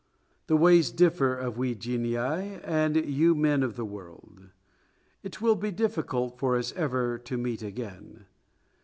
The ways differ of we genii and you men of the world. It will be difficult for us ever to meet again.